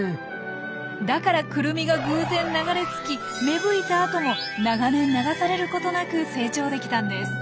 だからクルミが偶然流れ着き芽吹いた後も長年流されることなく成長できたんです。